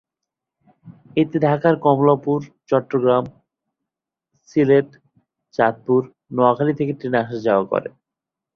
এতে ঢাকার কমলাপুর চট্টগ্রাম, সিলেট, চাঁদপুর, নোয়াখালী থেকে ট্রেন আসা যাওয়া করে।